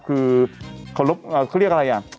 คือเค้าเรียกอะไร